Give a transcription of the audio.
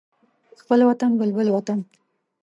خپل وطن بلبل وطن